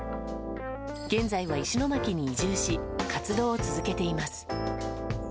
現在は石巻に移住し活動を続けています。